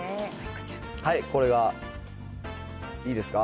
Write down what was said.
これがいいですか？